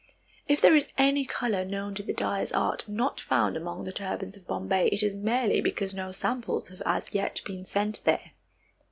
If there is any color known to the dyers' art not found among the turbans of Bombay it is merely because no samples have as yet been sent there.